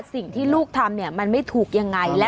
สิ่งที่ลูกทำมันไม่ถูกยังไง